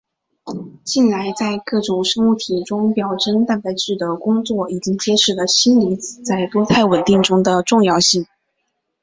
近来在各种生物体中表征蛋白质的工作已经揭示了锌离子在多肽稳定中的重要性。